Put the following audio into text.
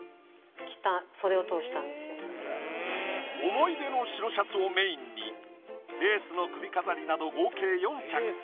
思い出の白シャツをメインにレースの首飾りなど合計４着。